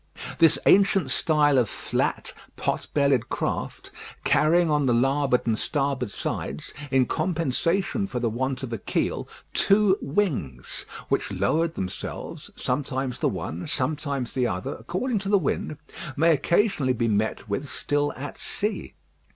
This ancient style of flat, pot bellied craft, carrying on the larboard and starboard sides, in compensation for the want of a keel, two wings, which lowered themselves, sometimes the one, sometimes the other, according to the wind, may occasionally be met with still at sea.